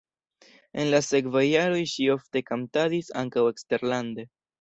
En la sekvaj jaroj ŝi ofte kantadis ankaŭ eksterlande.